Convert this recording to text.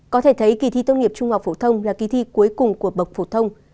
có thể thấy kỳ thi tốt nghiệp trung học phổ thông là kỳ thi cuối cùng của bậc phổ thông